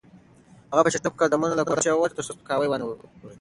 هغه په چټکو قدمونو له کوټې ووته ترڅو سپکاوی ونه اوري.